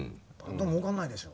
でももうかんないでしょ。